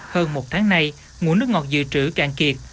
hơn một tháng nay nguồn nước ngọt dự trữ càng kiệt